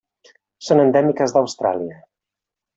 Són endèmiques d'Austràlia.